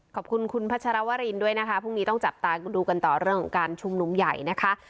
ขอบคุณคุณพัชรวรินด้วยนะคะพรุ่งนี้ต้องจับตาดูกันต่อเรื่องของการชุมนุมใหญ่นะคะ